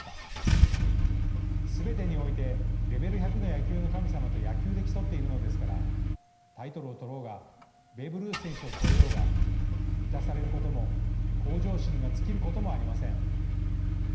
全てにおいてレベル１００の野球の神様と野球で競っているのですからタイトルを獲ろうがベーブ・ルース選手を越えようが満たされることも向上心が尽きることもありません。